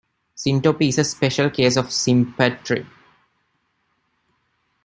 Syntopy is a special case of sympatry.